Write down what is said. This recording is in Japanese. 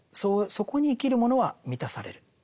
そこに生きるものは満たされる。